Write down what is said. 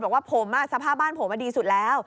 บอกว่าผมสภาพบ้านผมดีสุดแล้ว